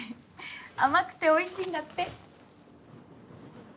甘くておいしいんだって。